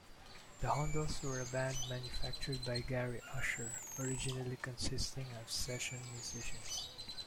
The Hondells were a band manufactured by Gary Usher, originally consisting of session musicians.